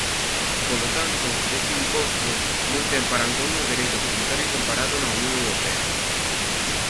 Polo tanto, este imposto non ten parangón no dereito tributario comparado na Unión Europea.